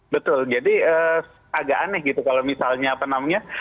betul jadi agak aneh gitu kalau misalnya apa namanya